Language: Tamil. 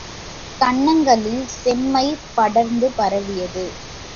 கன்னங்களில் செம்மை படர்ந்து பரவியது.